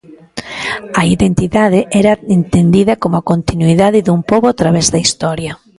A identidade era entendida como a continuidade dun pobo a través da historia.